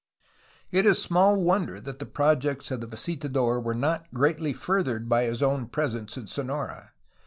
It is small wonder that the projects of the visitador were not greatly furthered by his own presence in Sonora.